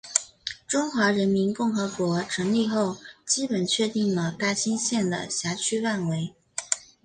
中华人民共和国成立后基本确定了大兴县的辖区范围。